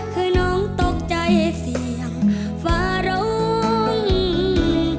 คืนน้องตกใจเสียงฝรั่ง